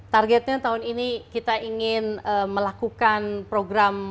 targetnya tahun ini kita ingin melakukan program program program